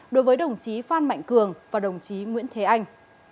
đối với đồng chí phan mạnh cường và đồng chí nguyễn thế anh